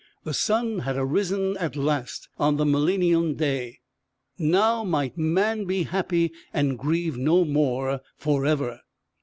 The sun had arisen at last on the millennial day! Now might man be happy and grieve no more forever!